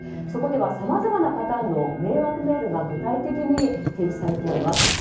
そこではさまざまなパターンの迷惑メールが具体的に展示されています。